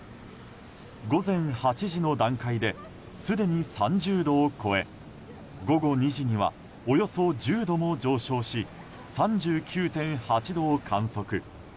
午前８時の段階ですでに３０度を超え午後２時にはおよそ１０度も上昇し３９．８度を観測。